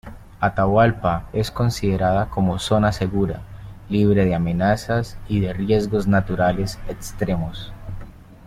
Atahualpa es considerada como zona segura, libre de amenazas y riesgos naturales extremos.